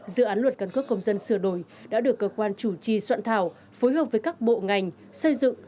dự án luật căn cước công dân sửa đổi đã được cơ quan chủ trì soạn thảo phối hợp với các bộ ngành xây dựng